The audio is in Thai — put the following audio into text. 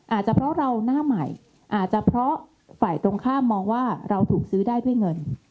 อาจจะเพราะเราหน้าใหม่อาจจะเพราะฝ่ายตรงข้ามมองว่าเราถูกซื้อได้ด้วยเงิน